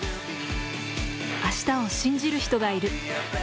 明日を信じる人がいる。